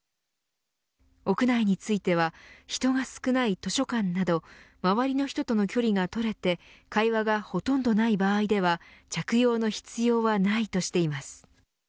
屋内については人が少ない図書館など周りの人との距離がとれて会話がほとんどない場合では着用の必要はないとしています。